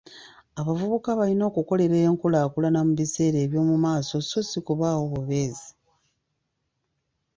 Abavubuka balina okukolerera enkulaakulana mubiseera by'omu maaso so ssi kubaawo bubeezi.